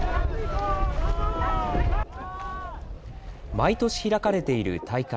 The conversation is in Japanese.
毎年開かれてている大会。